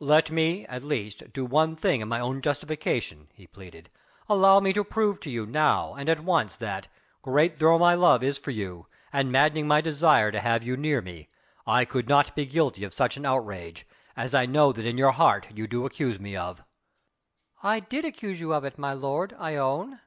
"Let me at least do one thing in my own justification," he pleaded. "Allow me to prove to you now and at once that great though my love is for you, and maddening my desire to have you near me I could not be guilty of such an outrage, as I know that in your heart you do accuse me of." "I did accuse you of it, my lord, I own.